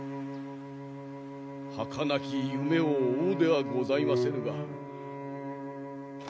はかなき夢を追うではございませぬが。